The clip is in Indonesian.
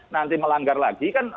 nanti melanggar lagi kan